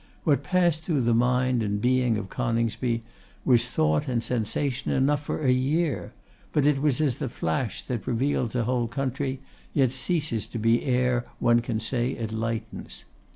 What passed through the mind and being of Coningsby was thought and sensation enough for a year; but it was as the flash that reveals a whole country, yet ceases to be ere one can say it lightens.